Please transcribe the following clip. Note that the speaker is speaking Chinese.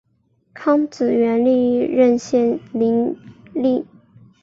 康子元历任献陵令。